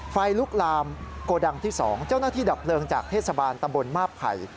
ไฟลุกลามโกดังที่๒เจ้าหน้าที่ดับเพลิงจากเทศบาลตำบลมาบไผ่